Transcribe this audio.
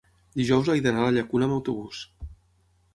dijous he d'anar a la Llacuna amb autobús.